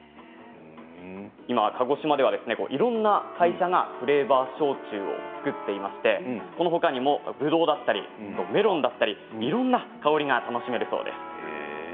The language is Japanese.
今、鹿児島ではいろいろな会社がフレーバー焼酎を造っていましてこのほかにも、ぶどうだったりメロンだったりいろいろな香りが楽しめるそうです。